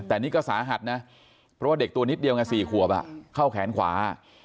แต่นี่ก็สาหัสนะเพราะว่าเด็กตัวนิดเดียวไง๔ขวบเข้าแขนขวา